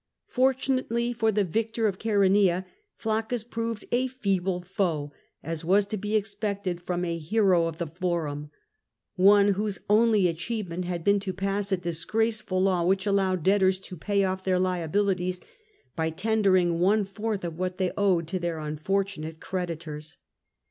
Fortunately for the victor of Chaeronea, Fiaccus proved a feeble foe, as was to be expected from a hero of the Forum, — one whose only achievement had been to pass a disgraceful law which allowed debtors to pay off their liabilities by tendering one fourth of what they owed to their unfortunate creditors.